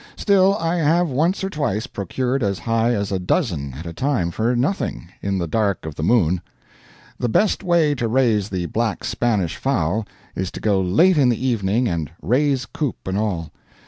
Still I have once or twice procured as high as a dozen at a time for nothing, in the dark of the moon. The best way to raise the Black Spanish fowl is to go late in the evening and raise coop and all.